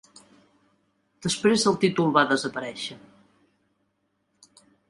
Després el títol va desaparèixer.